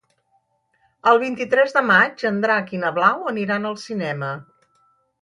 El vint-i-tres de maig en Drac i na Blau aniran al cinema.